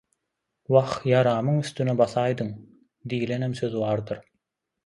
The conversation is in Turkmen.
„Wah, ýaramyň üstüne basaýdyň“ diýlenem söz bardyr.